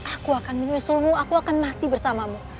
aku akan menyusulmu aku akan mati bersamamu